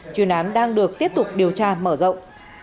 chuyên án đang được tiếp tục điều tra mở rộng